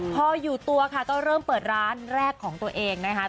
พออยู่ตัวค่ะก็เริ่มเปิดร้านแรกของตัวเองนะคะ